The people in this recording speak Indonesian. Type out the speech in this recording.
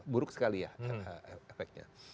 buruk sekali ya efeknya